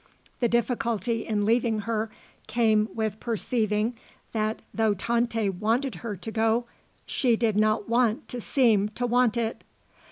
The difficulty in leaving her came with perceiving that though Tante wanted her to go she did not want to seem to want it.